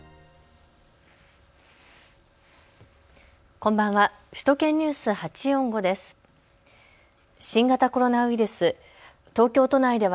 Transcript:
こんばんは。